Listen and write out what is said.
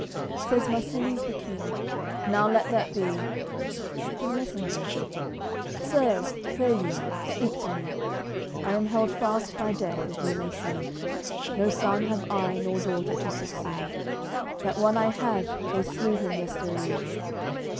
CXCVII Says Marsilies the king: "Now let that be." To th'messengers: "Sirs, pray you, speak to me. I am held fast by death, as ye may see. No son have I nor daughter to succeed; That one I had, they slew him yester eve.